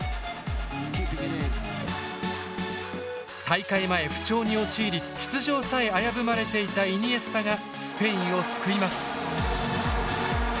大会前不調に陥り出場さえ危ぶまれていたイニエスタがスペインを救います。